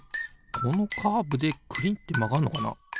このカーブでくりんってまがんのかな？